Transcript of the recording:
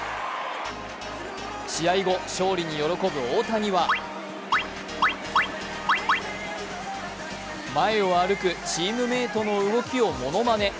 試合後、勝利に喜ぶ大谷は前を歩くチームメートの動きをものまね。